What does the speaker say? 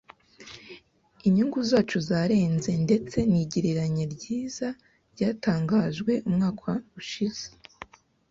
Inyungu zacu zarenze ndetse nigereranya ryiza ryatangajwe umwaka ushize.